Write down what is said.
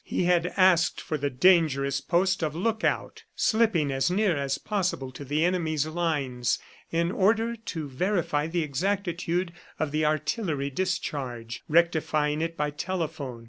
He had asked for the dangerous post of lookout, slipping as near as possible to the enemy's lines in order to verify the exactitude of the artillery discharge, rectifying it by telephone.